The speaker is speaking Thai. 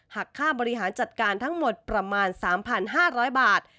หักค่าบริหารจัดการทั้งหมดประมาณ๓๕๐๐บาท